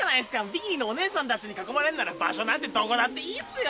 ビキニのおネエさんたちに囲まれんなら場所なんてどこだっていいっすよ。